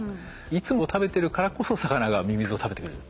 いつも食べてるからこそ魚がミミズを食べてくれる。